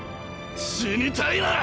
死にたいなら。